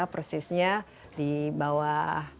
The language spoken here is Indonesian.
persisnya di bawah